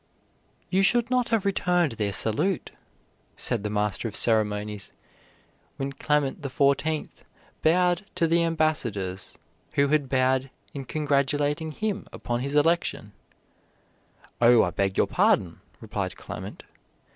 "You should not have returned their salute," said the master of ceremonies, when Clement XIV bowed to the ambassadors who had bowed in congratulating him upon his election. "Oh, I beg your pardon," replied Clement.